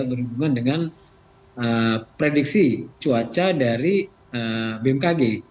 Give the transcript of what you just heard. berhubungan dengan prediksi cuaca dari bmkg